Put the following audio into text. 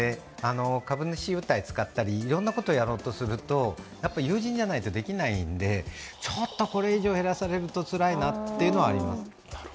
株主優待使ったり、いろんなことをやろうとすると、やはり有人じゃなきゃできないので、ちょっとこれ以上減らされるとつらいなというのはあります。